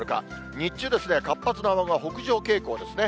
日中ですね、活発な雨雲は北上傾向ですね。